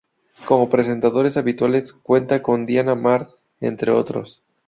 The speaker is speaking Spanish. Como presentadores habituales cuenta con Diana Mar, entre otros.